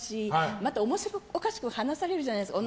また面白おかしく話されるじゃないですか。